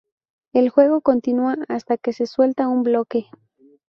El juego continúa hasta que se suelta un bloque.